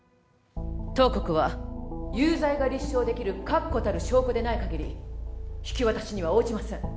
当国は有罪が立証できる確固たる証拠でない限り引き渡しには応じません